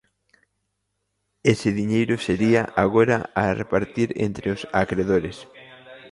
Ese diñeiro sería agora a repartir entre os acredores.